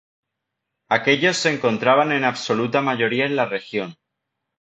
Aquellos se encontraban en absoluta mayoría en la región.